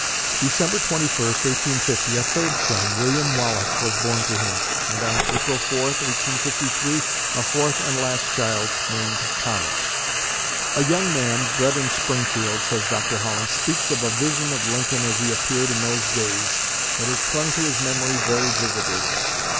December 21, 1850, a third son, William Wallace, was born to him; and on April 4, 1853, a fourth and last child, named Thomas. "A young man bred in Springfield," says Dr. Holland, "speaks of a vision of Lincoln, as he appeared in those days, that has clung to his memory very vividly.